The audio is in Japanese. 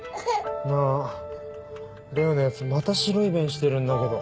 なあ玲生のやつまた白い便してるんだけど。